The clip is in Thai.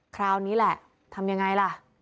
คราวนี้แหละทำยังไงล่ะ